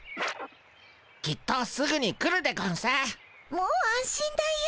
もう安心だよ。